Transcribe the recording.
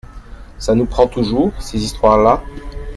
Ca nous prend toujours, ces histoires-là.